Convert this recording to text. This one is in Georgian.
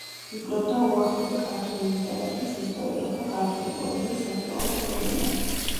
იკვლევდა უახლესი ქართული ლიტერატურის ისტორიას და ქართული პოეზიის აქტუალურ პრობლემებს.